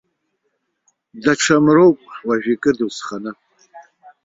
Даҽа мроуп уажәы икыду сханы!